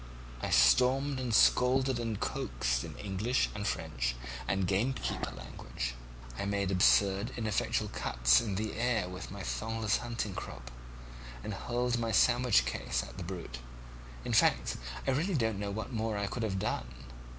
I stormed and scolded and coaxed in English and French and gamekeeper language; I made absurd, ineffectual cuts in the air with my thongless hunting crop; I hurled my sandwich case at the brute; in fact, I really don't know what more I could have done.